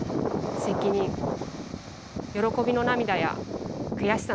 責任喜びの涙や悔しさの涙。